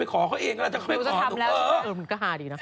ไปขอเขาเองก็ล่ะจะเข้ามากี่นึง